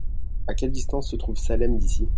À quelle distance se trouve Salem d'ici ?